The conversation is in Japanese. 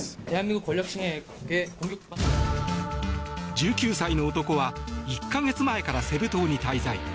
１９歳の男は１か月前からセブ島に滞在。